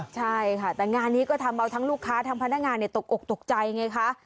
ใช่ค่ะแต่งานนี้ก็ทำเอาทั้งลูกค้าทั้งพนักงานตกอกตกใจไงคะ